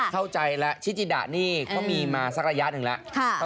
เข้าใจแล้วชิจิดะนี่เขามีมาสักระยะหนึ่งแล้ว